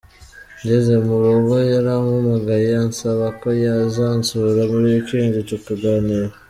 Ngeze mu rugo yarampamagaye ansaba ko yazansura muri weekend tukaganira.